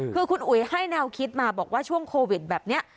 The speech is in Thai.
คือคุณอุ๋ยให้แนวคิดมาบอกว่าช่วงโควิดแบบนี้